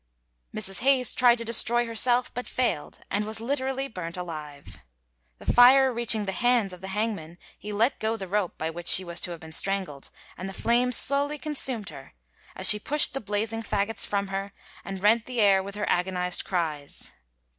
Mrs. Hayes tried to destroy herself, but failed, and was literally burnt alive. The fire reaching the hands of the hangman, he let go the rope by which she was to have been strangled, and the flames slowly consumed her, as she pushed the blazing fagots from her, and rent the air with her agonized cries.